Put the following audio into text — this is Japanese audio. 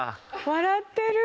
笑ってる！